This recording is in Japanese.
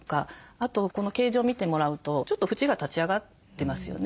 あとこの形状見てもらうとちょっと縁が立ち上がってますよね。